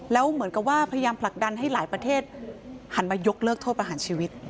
แล้วเหมือนกับว่าพยายามผลักดันให้หลายประเทศหันมายกเลิกโทษประหารชีวิต